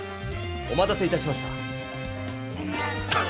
おまたせいたしました！